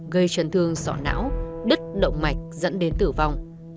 gây chấn thương sọ não đứt động mạch dẫn đến tử vong